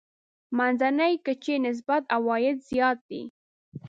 منځنۍ کچې نسبت عوايد زیات دي.